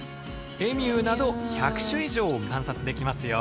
エミューなど１００種以上を観察できますよ。